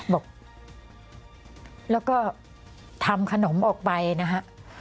บอกแล้วก็ทำขนมออกไปนะฮะ